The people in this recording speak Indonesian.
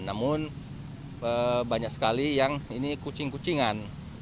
namun banyak sekali yang ini kucing kucingan